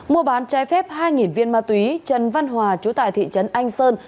mua bán trái phép hai viên ma túy trần văn hòa chú tại thị trấn anh sơn